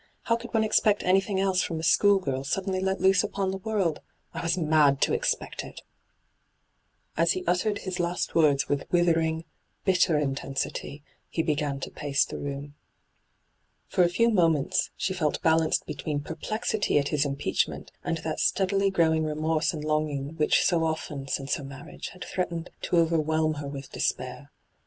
How could one expect anything else from a school girl suddenly let loose upon the world ? I was mad to expect it I' As he uttered his last words with wither ing, bitter intensity, he began to pace the room. For a few moments she felt balanced between perplexity at his impeachment and that steadily growing remorse and longing which so often, since her marriage, had threatened to overwhelm her with despair.